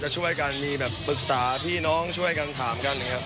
เราจะช่วยกันมีปรึกษาพี่น้องช่วยกันถามกัน